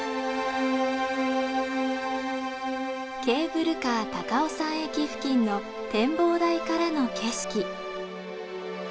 ケーブルカー高尾山駅付近の展望台からの景色。